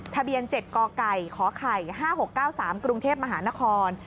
ทะเบียน๗กไก่ขไข่๕๖๙๓กรุงเทพมหานคร